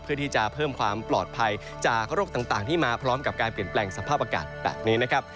เพื่อที่จะเพิ่มความปลอดภัยจากโรคต่างที่มาพร้อมกับการเปลี่ยนแปลงสภาพอากาศแบบนี้นะครับ